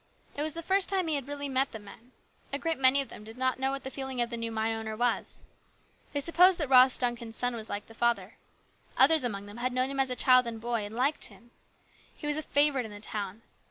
It was the first time he had really met the men. A great many of them did not know what the feeling of the new mine owner was. They supposed that Ross Duncan's son was like the father. Others among them had known him as a child and boy, and liked him. He was a favourite in the town.